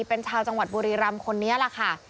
เป็นชาวจังหวัดบุรีรำคนนี้แหละค่ะ